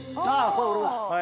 これ俺だ。